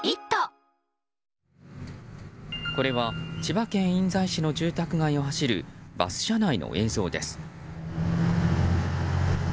これは千葉県印西市の住宅街を走るバス車内の映像です。